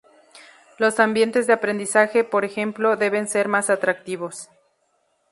Los ambientes de aprendizaje, por ejemplo, deben ser más atractivos.